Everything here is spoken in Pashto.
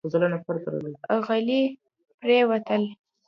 غلي پرېوتل.